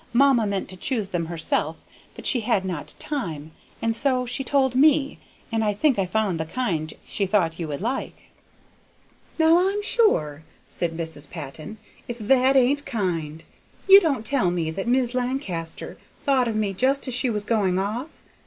Mamma meant to choose them herself, but she had not time, and so she told me, and I think I found the kind she thought you would like." "Now I'm sure!" said Mrs. Patton, "if that ain't kind; you don't tell me that Mis' Lancaster thought of me just as she was going off?